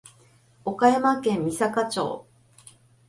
岡山県美咲町